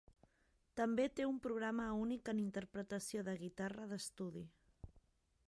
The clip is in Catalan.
També té un programa únic en interpretació de guitarra d'estudi.